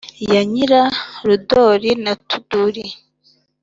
yanyira rudori na tuduri